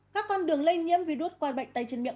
các con đường lây nhiễm virus qua bệnh tay chân miệng